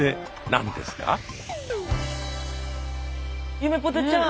ゆめぽてちゃん